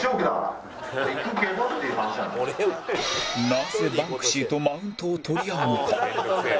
なぜバンクシーとマウントを取り合うのか？